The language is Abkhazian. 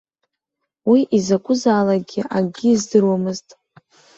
Уи изакәызаалак акгьы издыруамызт.